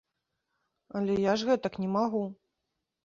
Але я ж гэтак не магу.